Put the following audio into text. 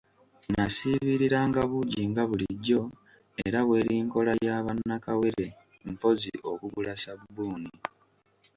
Nasiibiriranga buugi nga bulijjo era bw'eri nkola ya ba nnakawere mpozzi okugula ssabbuuni.